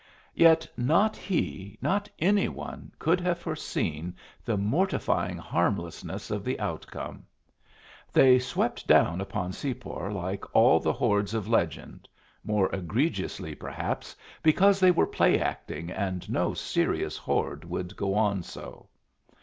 Yet not he, not any one, could have foreseen the mortifying harmlessness of the outcome. They swept down upon Separ like all the hordes of legend more egregiously, perhaps, because they were play acting and no serious horde would go on so.